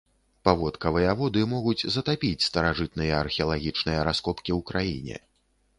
Паводкавыя воды могуць затапіць старажытныя археалагічныя раскопкі ў краіне.